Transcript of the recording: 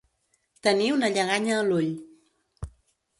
Tenir una lleganya a l'ull.